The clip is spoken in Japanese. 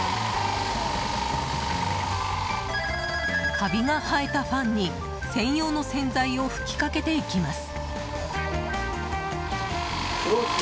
カビが生えたファンに専用の洗剤を吹きかけていきます。